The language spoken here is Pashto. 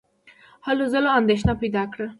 هلو ځلو اندېښنه پیدا کړه.